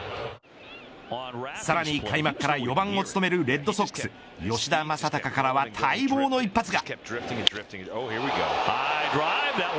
さらに開幕から４番を務めるレッドソックス吉田正尚からは待望の一発が。